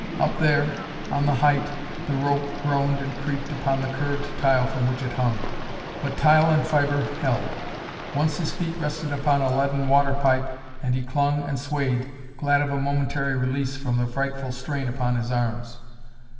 Up there, on the height, the rope groaned and creaked upon the curved tile from which it hung. But tile and fibre held. Once his feet rested upon a leaden water pipe and he clung and swayed, glad of a momentary release from the frightful strain upon his arms.